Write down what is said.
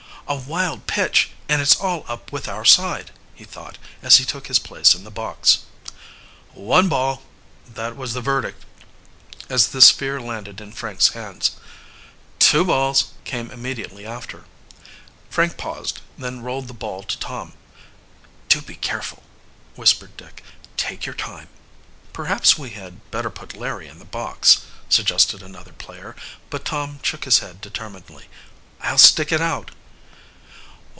"A wild pitch, and it's all up with our side," he thought, as he took his place in the "box." "One ball!" That was the verdict as the sphere landed in Frank's hands. "Two balls!" came immediately after. Frank paused, then rolled the ball to Tom. "Do be careful," whispered Dick. "Take your time." "Perhaps we had better put Larry in the box," suggested another player, but Tom shook his head determinedly. "I'll stick it out!"